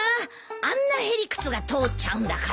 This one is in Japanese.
あんなへ理屈が通っちゃうんだから。